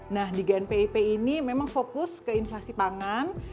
nah di gnpip ini memang fokus ke inflasi pangan